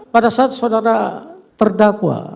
pada saat saudara terdakwa